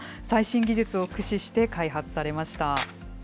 最新技術を駆使して開発されました。